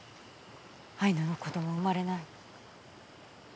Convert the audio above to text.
アイヌの子ども生まれない。